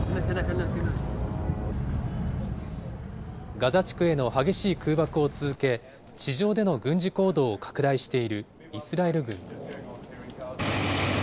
ガザ地区への激しい空爆を続け、地上での軍事行動を拡大しているイスラエル軍。